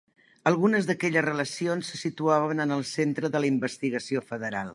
Algunes d'aquelles relacions se situaven en el centre de la investigació federal.